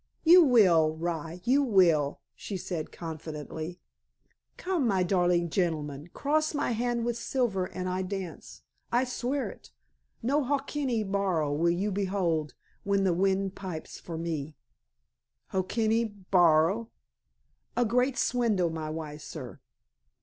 "You will, rye, you will," she said confidentially. "Come, my darling gentleman, cross my hand with silver and I dance. I swear it. No hokkeny baro will you behold when the wind pipes for me." "Hokkeny baro." "A great swindle, my wise sir.